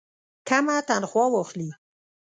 کمه تنخواه واخلي.